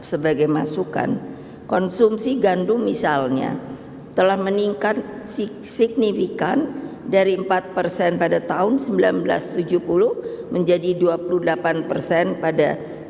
sebagai masukan konsumsi gandum misalnya telah meningkat signifikan dari empat persen pada tahun seribu sembilan ratus tujuh puluh menjadi dua puluh delapan persen pada dua ribu dua puluh